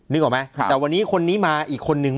นึกออกไหมแต่วันนี้คนนี้มาอีกคนนึง